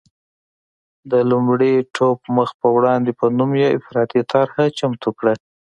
د لوی ټوپ مخ په وړاندې په نوم یې افراطي طرحه چمتو کړه.